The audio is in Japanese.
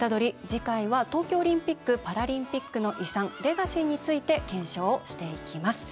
次回は東京オリンピック・パラリンピックの遺産、レガシーについて検証していきます。